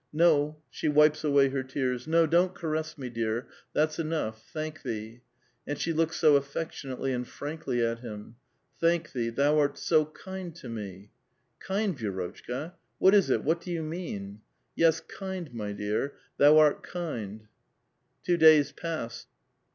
"No," — she wipes away her tears. — "No, don't caress me, dear! That's enough ; thank thee." And she looks so affection ately and frankly at him. " Thank thee, thou art so kind to me f "" Kind, Vi^rotchka? What is it? what do you mean?" "Yes, kind, my dear ; thou art kind." Two days pass.